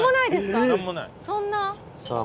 そんな。